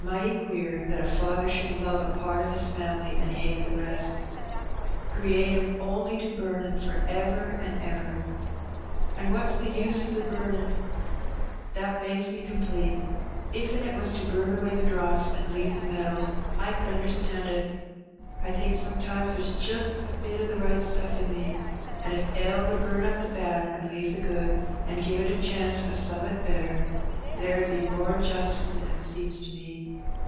Mighty queer, that a Father should love a part o' His fam'ly an' hate the rest. Create 'em only to bum 'em for ever an' ever ! An' what's the use o' the bumin'? That bangs me complete. If't was to bum away the dross an' leave the metal, I could under stand it. I think sometimes there's jist a bit o' the right stuflf in me; an' if hell would burn up the bad an' leave the good, an' give it a chance of some'at better, there 'ud be more justice in it, seems to me.